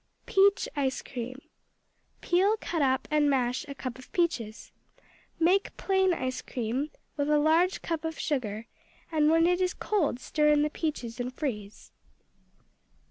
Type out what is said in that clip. Peach Ice cream Peel, cut up, and mash a cup of peaches. Make plain ice cream, with a large cup of sugar, and when it is cold stir in the peaches and freeze.